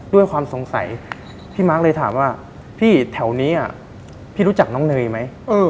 ด้วยความสงสัยพี่มาร์คเลยถามว่าพี่แถวนี้พี่รู้จักน้องเนยไหม